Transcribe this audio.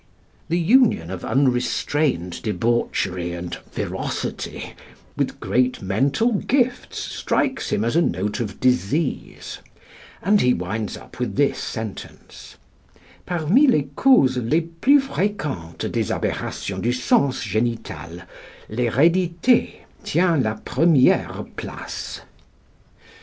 The union of unrestrained debauchery and ferocity with great mental gifts strikes him as a note of disease; and he winds up with this sentence: "Parmi les causes les plus fréquentes des aberrations du sens génital, l'hérédité tient la première place."